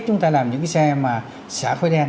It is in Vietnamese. chúng ta làm những cái xe mà xả khói đen